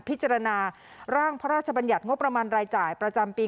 พิจารณาร่างพระราชบัญญัติงบประมาณรายจ่ายประจำปี